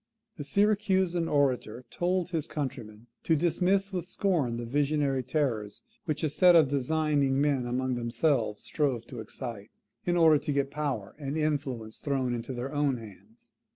The Syracusan orator told his countrymen to dismiss with scorn the visionary terrors which a set of designing men among themselves strove to excite, in order to get power and influence thrown into their own hands.